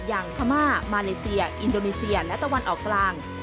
พม่ามาเลเซียอินโดนีเซียและตะวันออกกลาง